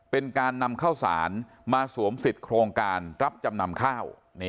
เป็นการนำข้าวสารมาสวมสิทธิ์โครงการรับจำนำข้าว